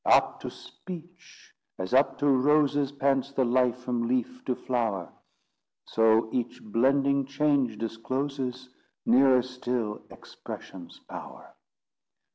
Up to speech! As up to roses Pants the life from leaf to flower, So each blending change discloses, Nearer still, expression's power.